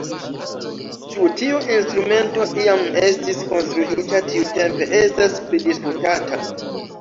Ĉu tiu instrumento iam estis konstruita tiutempe estas pridisputata.